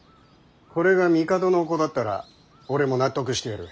これが帝の御子だったら俺も納得してやる。